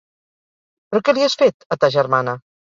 Però què li has fet, a ta germana?